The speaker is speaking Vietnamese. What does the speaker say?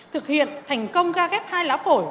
thực hiện thành công ra ghép hai lá phổi